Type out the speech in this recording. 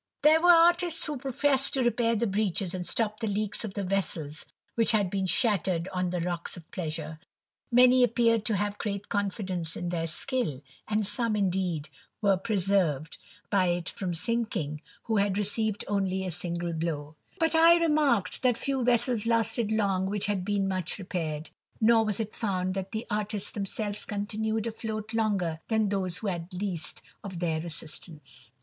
There were artists who professed to repair the breaches and stop the leaks of the vessels which had been shattered on the rocks of Pleasure. Many appeared to have great confidence in their skill, and some, indeed, were preserved // y THE RAMBLER. 131 by it from sinking, who had received only a single blow ; bitt I remarked that few vessels lasted long which had been much repaired, nor was it found that the artists themselves continued afloat longer than those who had least of their assistance.